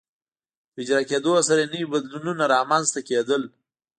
په اجرا کېدو سره یې نوي بدلونونه رامنځته کېدل.